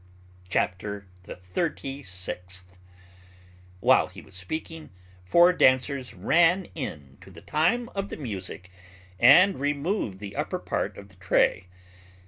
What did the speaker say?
CHAPTER THE THIRTY SIXTH. While he was speaking, four dancers ran in to the time of the music, and removed the upper part of the tray.